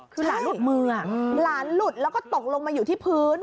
คือหลานหลุดมือหลานหลุดแล้วก็ตกลงมาอยู่ที่พื้น